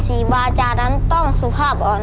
สี่บาอาจารย์นั้นต้องสุภาพอ่อน